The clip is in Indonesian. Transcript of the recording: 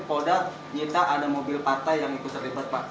koda nyita ada mobil patah yang terlibat pak